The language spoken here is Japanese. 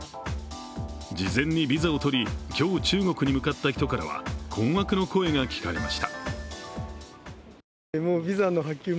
事前にビザを取り、今日、中国に向かった人からは困惑の声が聞かれました。